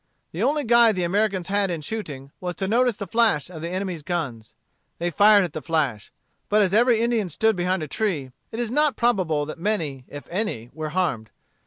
The only guide the Americans had in shooting, was to notice the flash of the enemy's guns. They fired at the flash. But as every Indian stood behind a tree, it is not probable that many, if any, were harmed.